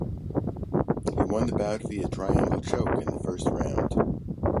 He won the bout via triangle choke in the first round.